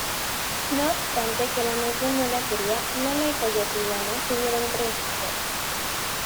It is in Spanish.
No obstante que la nación no la quería, Lola y Coyote-Iguana tuvieron tres hijos.